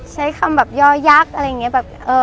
ใช้คำแบบย่อยักษ์อะไรอย่างนี้แบบ